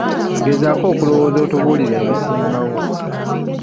Gezaako okulowooza otubuulire ebisingawo.